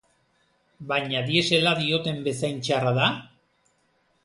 Baina diesela dioten bezain txarra da?